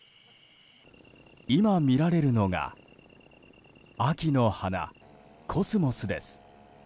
今見られるのが秋の花、コスモスです。